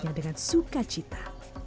ini berapa juta juta